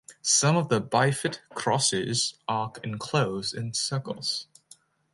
Some of the bifid crosses are enclosed in circles.